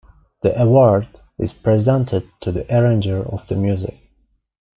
The award is presented to the arranger of the music.